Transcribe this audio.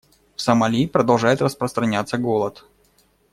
В Сомали продолжает распространяться голод.